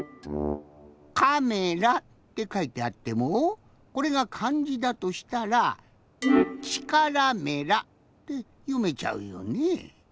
「カメラ」ってかいてあってもこれがかんじだとしたら「力メラ」ってよめちゃうよねえ。